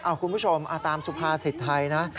คุณผู้ชมตามสุภาษิตไทยนะ